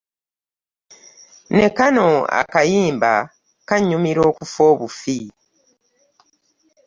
Ne kano akayimba kannyumira okufa obufi.